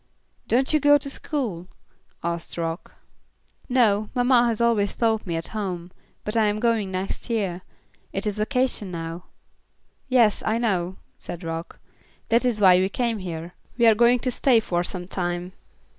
"Don't you go to school?" asked Rock. "No, mamma has always taught me at home, but I am going next year. It is vacation now." "Yes, I know," said Rock, "that is why we came here. We are going to stay for some time.